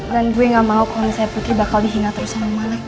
dan gue gak mau kalo nusaya putri bakal dihingat terus sama om alex